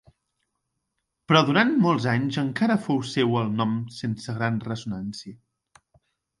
Però durant molts anys encara fou seu el nom sense gran ressonància.